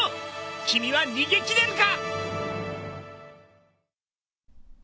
君は逃げ切れるか！？